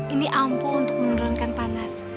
ini ampuh untuk menurunkan panas